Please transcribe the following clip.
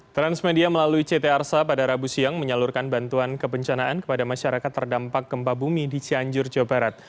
transmedia melalui ct arsa pada rabu siang menyalurkan bantuan kebencanaan kepada masyarakat terdampak gempa bumi di cianjur jawa barat